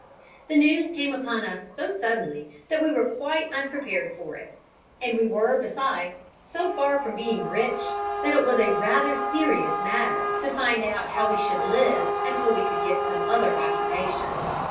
The news came upon us so suddenly, that we were quite unprepared for it; and we were, besides, so far from being rich, that it was a rather serious matter to find out how we should live until we could get some other occupation.